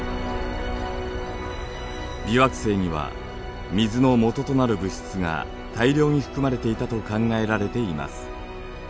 微惑星には水のもととなる物質が大量に含まれていたと考えられています。